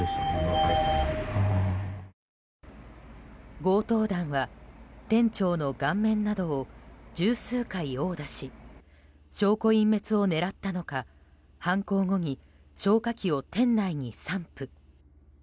強盗団は店長の顔面などを十数回殴打し証拠隠滅を狙ったのか犯行後に消火器を店内に散布。